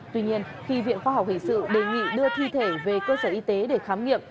tuy nhiên khi viện khoa học hình sự đề nghị đưa thi thể về cơ sở y tế để khám nghiệm